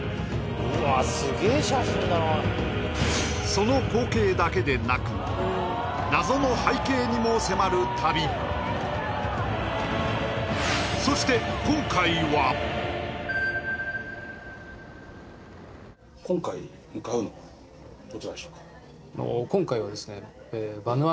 その光景だけでなく謎の背景にも迫る旅そしてどちらでしょうか？